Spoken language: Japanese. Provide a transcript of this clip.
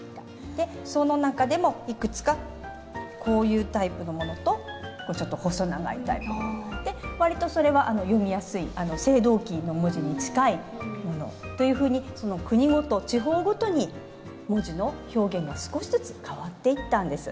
でその中でもいくつかこういうタイプのものとちょっと細長いタイプとか割とそれは読みやすい青銅器の文字に近いものというふうに国ごと地方ごとに文字の表現が少しずつ変わっていったんです。